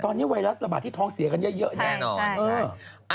ตอนนี้ไวรัสระบาดที่ท้องเสียกันเยอะแน่นอน